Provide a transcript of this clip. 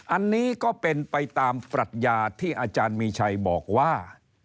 อันนี้ก็เป็นไปตามปรัชญาที่อาจารย์มีชัยบอกว่า